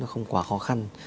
không quá khó khăn